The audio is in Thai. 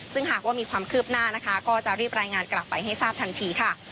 ซึ่งหากว่ามีความคืบหน้านะคะก็จะรีบรายงานกลับไปให้ทราบทันทีค่ะ